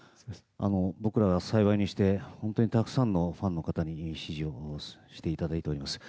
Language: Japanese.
僕らが幸いにして本当にたくさんのファンの方に支持をしていただいております。